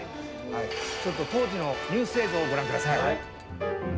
ちょっと当時のニュース映像をご覧下さい。